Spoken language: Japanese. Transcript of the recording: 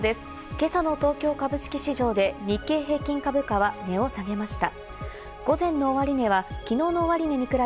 今朝の東京株式市場で日経平均株価は値を下げました。